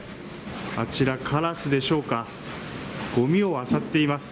あちら、カラスでしょうか。